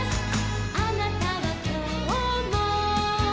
「あなたはきょうも」